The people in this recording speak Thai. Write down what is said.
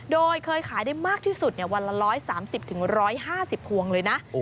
โดยเคยขายได้มากที่สุดวันละ๑๓๐๑๕๐พวงเลยนะ